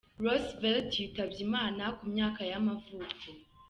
Roosevelt yitabye Imana, ku myaka y’amavuko.